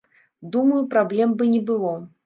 Думаю, праблем бы не было.